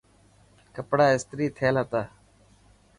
ڪپڙا استري ٿيل هتا.